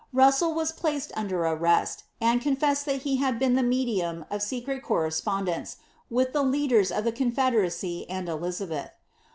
Russell was placed under inest, and confessed that he had been the medium of a secret corre spondence, with the leaders of the confederacy and Elizabeth.'